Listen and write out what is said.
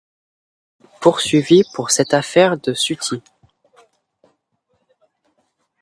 Poursuivi pour cette affaire du sutty !